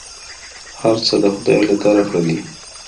هرڅه د خداى له طرفه دي.